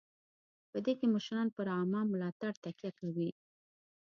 په دې کې مشران پر عامه ملاتړ تکیه کوي.